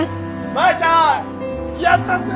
マヤちゃんやったぜ！